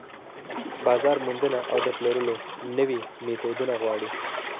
بازار موندنه او د پلورلو نوي ميتودونه غواړي.